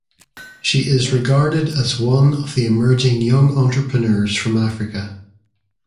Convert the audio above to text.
She is regarded as one of the emerging young entrepreneurs from Africa.